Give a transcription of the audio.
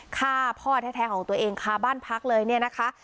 ฆ่าพ่อแท้ของตัวเองคาบ้านพักเลยเนี่ยนะคะ